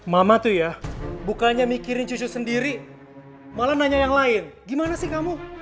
mama tuh ya bukannya mikirin cucu sendiri malah nanya yang lain gimana sih kamu